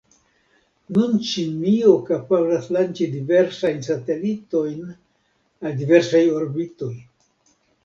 Nun Ĉinio kapablas lanĉi diversajn satelitojn al diversaj orbitoj.